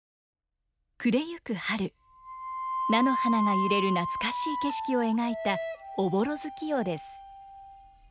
暮れゆく春菜の花が揺れる懐かしい景色を描いた「おぼろ月夜」です。